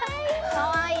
かわいい！